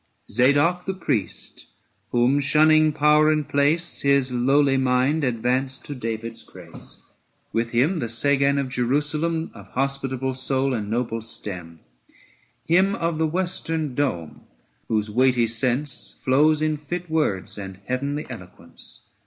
Zadoc the priest, whom, shunning power and place, His lowly mind advanced to David's grace. 865 With him the Sagan of Jerusalem, Of hospitable soul and noble stem ; Him of the western dome, whose weighty sense Flows in fit words and heavenly eloquence.